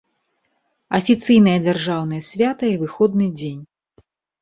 Афіцыйнае дзяржаўнае свята і выходны дзень.